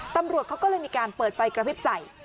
ตำรวจเขาก็เลยมีการเปิดไฟกระพริบใส่